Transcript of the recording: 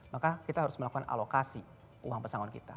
maka kita harus melakukan alokasi uang pesangon kita